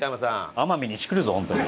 天海にチクるぞ本当に。